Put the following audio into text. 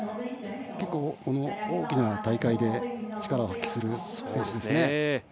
結構大きな大会で力を発揮する選手ですね。